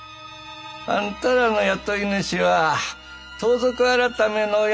あんたらの雇い主は盗賊改の山川様。